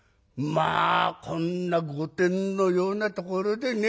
まあこんな御殿のようなところでね